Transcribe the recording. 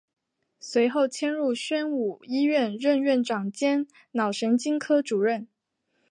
随后迁入宣武医院任院长兼脑神经科主任。